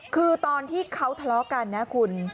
คือตอนที่เขาทะเลาะกันนะคุณ